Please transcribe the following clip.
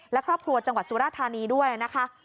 และครอบครัวจังหวัดสุราธานีด้วยนะคะ